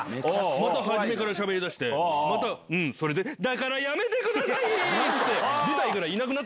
初めからしゃべりだして、またうん、それで、だからやめてくださいって。